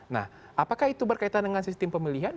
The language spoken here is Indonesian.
nah apakah itu berkaitan dengan sistem pemilihan